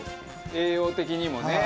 栄養的にもね。